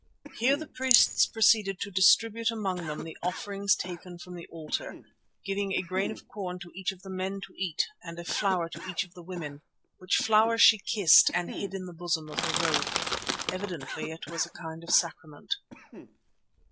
Here the priests proceeded to distribute among them the offerings taken from the altar, giving a grain of corn to each of the men to eat and a flower to each of the women, which flower she kissed and hid in the bosom of her robe. Evidently it was a kind of sacrament.